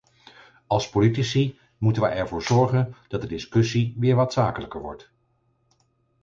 Als politici moeten wij ervoor zorgen dat de discussie weer wat zakelijker wordt.